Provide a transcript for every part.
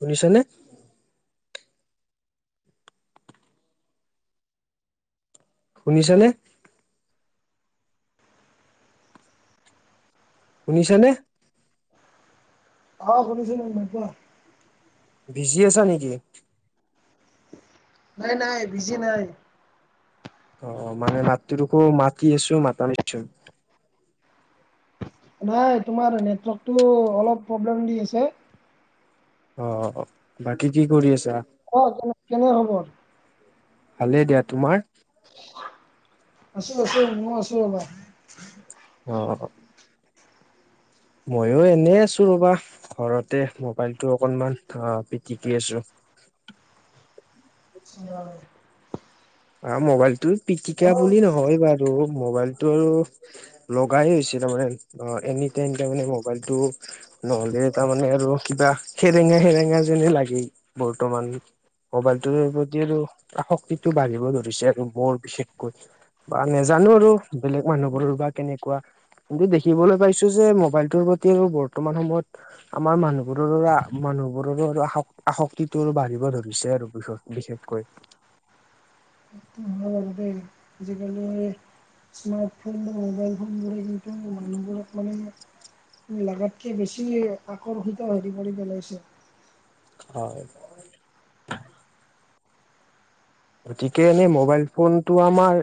শুনিছ নে। শুনিছ নে। শুনিছ নে। অ শুনিছো ন [inaudible] ন পুৱোৱা বিজি আছা নেকি। নাই নাই বিজি নাই। অ মানে মাতটোকো মাতি আছো মাতাছো [inaudible] নাই তোমাৰ নেটৱৰ্কটো অলপ প্ৰব্লেম দি আছে। অ বাকী কি কৰি আছা। অ কেনে কেনে খবৰ। ভালে দিয়া তোমাৰ। আছো আছো মই আছো ৰবা। অ মইয়ো এনেই আছো ৰবা। ঘৰতে মোবাইলটো অকনমান অ পিটিকি আছোঁ। অহ। অ মোবাইলটো অ, পিকিকা হয় বুলি নহয় বাৰু মোবাইলটো আৰু লগাই হৈছিল মানে তাৰ মানে এনি টাইম মানে মবাইলটো নহলে তাৰমানে আৰু কিবা সেৰেঙা সেৰেঙা যেনী লাগেই বৰ্তমান মোবাইলটো প্ৰতি আৰু আসক্তিটো বাঢ়িব ধৰিছে আৰু বৰ বিশেষকৈ বা নোজানো আৰু বেলেগ মানুহবোৰৰ বা কেনেকুৱা কিন্তু দেখিবলৈ পাইছো যে মোবাইলটোৰ প্ৰতি আৰু বৰ্তমান সময়ত আমাৰ মানুহবোৰৰো মানুহবোৰৰো আ আসক্তিটো বাঢ়িব ধৰিছে আৰু বিশেষকৈ [unintelligible] আজিকালি স্মাৰ্টফোন বা মবাইল ফোনবোৰৰ মানুহবোৰক মানে লগাতকে বেছি আকৰ্ষিত হেৰি কৰি পেলাইছে হয় গতিকে এনেই মোবাইল ফোনটো আমাৰ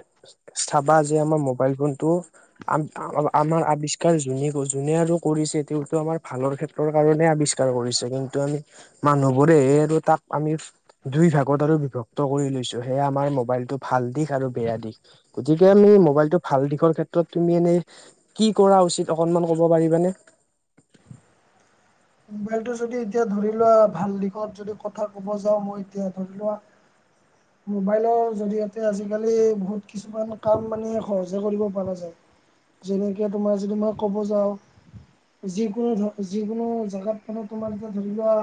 চাবা যে আমাৰ মোবাইল ফোনটো আমাৰ আৱিষ্কাৰ যোনে যোনে আৰু কৰিছে তেওঁটো আমাৰ ভালৰ ক্ষেত্ৰ কাৰণে আৱিষ্কাৰ কৰিছে কিন্তু আমি মানুহবোৰেহে আৰু তাক আমি দুই ভাগত আৰু বিভক্ত কৰি লৈছো সেয়া আমাৰ মোবাইলটো ভাল দিশ আৰু বেয়া দিশ গতিকে আমি মোবাইলটো ভাল দিশৰ ক্ষেত্ৰত তুমি এনেই কি কৰা উচিত অকণমান ক'ব পাৰিবানে মোবাইলটো যদি এতিয়া ধৰি লোৱা ভাল দিশত যদি কথা ক'ব যাওঁ মই এতিয়া ধৰি লোৱা [inaudible] মোবাইলৰ জৰিয়তে আজিকালি বহুত কিছুমান কাম মানে সহজে কৰিব পৰা যায় যেনেকে তোমাৰ যদি মই ক'ব যাওঁ যিকোনো ধ যিকোনো জেগাত কাৰণ তোমাৰ এতিয়া ধৰি লোৱা।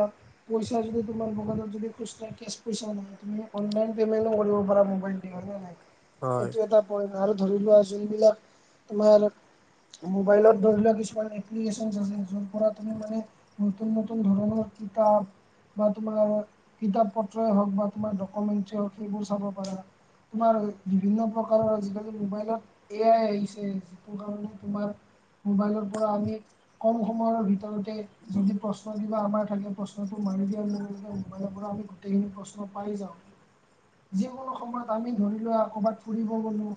পইচা যদি তোমাৰ পকেটত যদি খুচুৰা কেচ পইচাও নাই তুমি অনলাইন পেমেণ্টো কৰিব পাৰা মোবাইলদি হয় না। হয় এইটো এটা পইন্ট আৰু ধৰি লোৱা যিবিলাক তোমাৰ। মোবাইলত ধৰি লোৱা কিছুমান এপ্লিকেশচন চেপলিকেশনৰ পৰা তুমি মানে। নতুন নতুন ধৰণৰ কিতাপ। বা তোমাৰ কিতাপ পত্ৰ এ হওঁক বা তোমাৰ ডকুমেণ্টছ এ হওঁক সেইবোৰ চাব পাৰা। তোমাৰ, বিভিন্ন প্ৰকাৰৰ আজিকালি মোবাইলত এয়াই আহিছে যিটো কাৰণে তোমাৰ মোবাইলৰ পৰা আমি কম সময়ৰ ভিতৰতে যদি প্ৰশ্ন কিবা আমাৰ থাকে প্ৰশ্নটো মাৰি দিয়াৰ লগে লগে মোবাইলৰ পৰা আমি গোটেইখিনি প্ৰশ্ন পাই যাওঁ। যিকোনো সময়ত আমি ধৰি লোৱা কবাত ফুৰিব গলোঁ।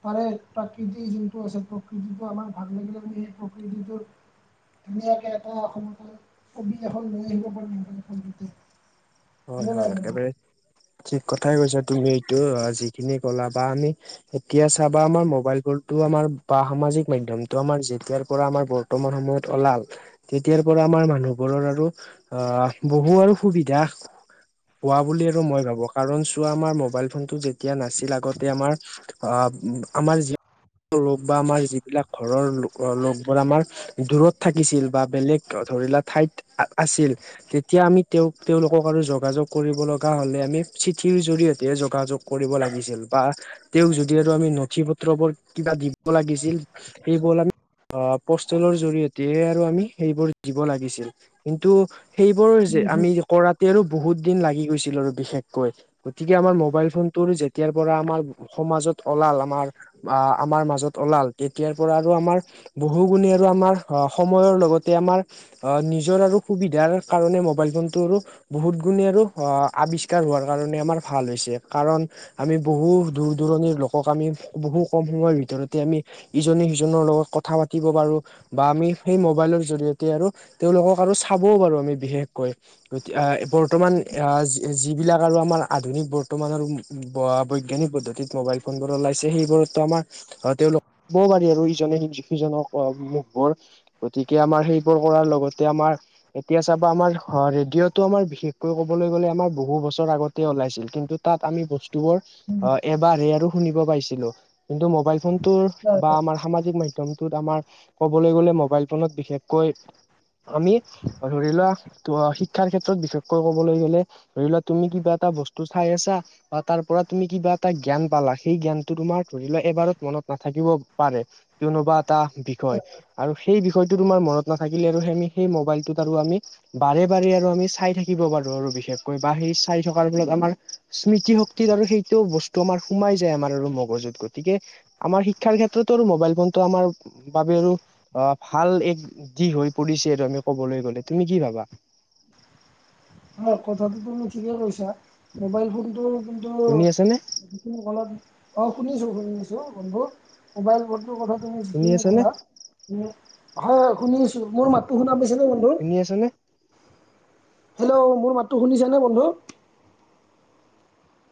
তাৰে প্ৰাকৃতি যোনটো আছে প্ৰকৃতিটো আমাৰ ভাল লাগিলে বুলি সেই প্ৰকৃতিটোৰ ধুনীয়াকে এটা অসমৰ কাৰণে ছবি এখন লৈ আহিব পাৰোঁ হয় হয় একেবাৰে-ঠিক কথাই কৈছা তুমি এইটো যিখিনি ক'লা বা আমি এতিয়া চাবা আমাৰ মোবাইল ফোনটো আমাৰ বা সামাজিক মাধ্যমটো আমাৰ যেতিয়াৰ পৰা আমাৰ বৰ্তমান সময়ত ওলাল। তেতিয়াৰ পৰা আমাৰ মানুহবোৰৰ আৰু আহ, বহু আৰু সুবিধা। হোৱা বুলি আৰু মই ভাবোঁ কাৰণ চোৱা আমাৰ মবাইল ফোনটো যেতিয়া নাছিল আগতে আমাৰ অ', অ' আমাৰ যি লোক বা আমাৰ যিবিলাক ঘৰৰ লোক-লোকবোৰ আমাৰ দূৰত থাকিছিল বা বেলেগ ধৰিলা ঠাইত আছি-আছিল তেতিয়া আমি তেওঁক-তেওঁলোক অ', আৰু যোগাযোগ কৰিব লগা হ'লে আমি চিঠিৰ জৰিয়তেহে যোগাযোগ কৰিব লাগিছিল বা তেওঁক যদি আৰু আমি নথি পত্ৰবোৰ কিবা দিম। লাগিছিল সেইবোৰ আমি পষ্টেলৰ জৰিয়তে আৰু আমি সেইবোৰ দিব লাগিছিল কিন্তু সেইবোৰ যে উম, হুম, আমি কৰা তে আৰু বহুত দিন লাগি গৈছিল আৰু বিশেষকৈ। গতিকে আমাৰ মোবাইল ফোনটোৰ যেতিয়াৰ পৰা আমাৰ সমাজত ওলাল আমাৰ আ আমাৰ মাজত ওলাল তেতিয়াৰ পৰা আৰু আমাৰ বহুগুনে আৰু আমাৰ অ সময়ৰ লগতে আমাৰ অ, নিজৰ আৰু সুবিধাৰ কাৰণে মোবাইল ফোনটো আৰু বহুত গুণে আৰু অ আৱিষ্কাৰ হোৱাৰ কাৰণে আমাৰ ভাল হৈছে। কাৰণ আমি বহু দূৰ দূৰণিৰ লোকক আমি বহু কম সময়ৰ ভিতৰতে আমি ইজনে সিজনৰ লগত কথা পাতিব পাৰো বা আমি সেই মোবাইলৰ জৰিয়তে আৰু তেওঁলোকক আৰু চাবওঁ পাৰো আমি বিশেষকৈ অ বৰ্তমান এয়া যি যিবিলাক আৰু আমাৰ আধুনিক বৰ্তমান আৰু উ উম বা বৈজ্ঞানিক পদ্ধতিত মোবাইল ফোনবোৰ ওলাইছে সেইবোৰতটো আমাৰ অ তেওঁলোক ক'বও পাৰি আৰু ইজনে সিজ সিজনক অমুকৰ গতিকে আমাৰ সেইবোৰ কৰাৰ লগতে আমাৰ এতিয়া চাবা আমাৰ অ ৰেডিঅত তো আমাৰ বিশেষকৈ ক'বলৈ গ'লে আমাৰ বহু বছৰ আগতে ওলাইছিল কিন্তু তাত আমি বস্তুবোৰ উম, অ এবাৰহে আৰু শুনিব পাৰিছিলোঁ কিন্তু মোবাইল ফোনটো হয় বা হয়, আমাৰ সামাজিক মাধ্যমটোত আমাৰ ক'বলৈ গ'লে মোবাইল ফোনত বিশেষকৈ আমি ধৰি লোৱা তো শিক্ষাৰ ক্ষেত্ৰত বিশেষকৈ ক'বলৈ গেলে ধৰি লোৱা তুমি কিবা এটা বস্তু চাই আছা বা তাৰ পৰা তুমি কিবা এটা জ্ঞান পালা সেই জ্ঞানটো তোমাৰ ধৰি লোৱা এবাৰত মনত নাথাকিবও পাৰে। কোনোবা এটা বিষয় হয়। আৰু সেই বিষয়টো তোমাৰ মনত নাথাকিলে আৰু আমি সেই মোবাইলটোত আৰু আমি বাৰে বাৰে আৰু আমি চাই থাকিব পাৰোঁ আৰু বিশেষকৈ বা সেই চাই থকাৰ ফলত আমাৰ স্মৃতি শক্তিত আৰু সেইটো বস্তু আমাৰ সোমাই যায় আমাৰ মগজুত গতিকে আমাৰ শিক্ষাৰ ক্ষেত্ৰতো আৰু মোবাইল ফোনটো আমাৰ বাবে আৰু আ ভাল এক যি হৈ পৰিছে আৰু আমি ক'বলৈ গ'লে তুমি কি ভাবা? হয় কথাটো তুমি ঠিকে কৈছা মোবাইল ফোনটো কিন্তু শুনি আছানে কোনো ফলত অ শুনিছো শুনিছো বন্ধু মোবাইল ফোনটোৰ কথা তুমি শুনি যিখিনি আছানে কলা উম হয় হয় শুনিআছোঁ মোৰ মাতটো শুনা পাইছানে বন্ধু? শুনি আছানে? হেল্ল' মোৰ মাতটো শুনিছানে বন্ধু?